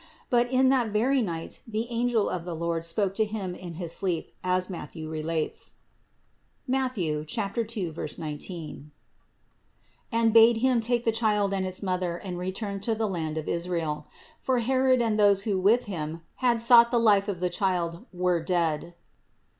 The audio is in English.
But in that very night the angel of the Lord spoke to him in his sleep, as Matthew relates (Matth. 2, 19), and bade him take the Child and its Mother and return to the land of Israel; for Herod and those who with him had sought the life of the Child, were dead.